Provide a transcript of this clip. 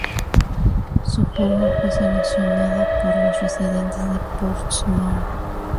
Su forma fue seleccionada por los residentes de Portsmouth.